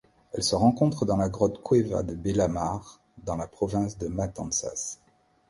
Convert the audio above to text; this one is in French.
Elle se rencontre dans la grotte Cueva de Bellamar dans la province de Matanzas.